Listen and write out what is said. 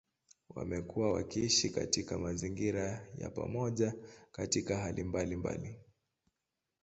Wamekuwa wakiishi katika mazingira ya pamoja katika hali mbalimbali.